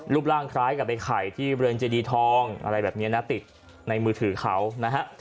ร่างคล้ายกับไอ้ไข่ที่บริเวณเจดีทองอะไรแบบนี้นะติดในมือถือเขานะฮะ